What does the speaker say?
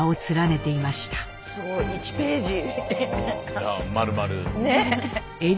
ねえ。